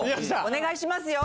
お願いしますよ。